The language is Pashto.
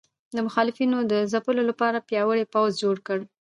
د مخالفینو د ځپلو لپاره پیاوړی پوځ جوړ کړ.